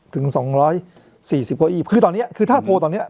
ถึงสองร้อยสี่สิบเก้าอี้คือตอนนี้คือถ้าโพลตอนเนี้ย